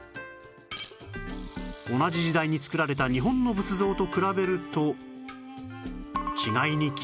同じ時代に造られた日本の仏像と比べると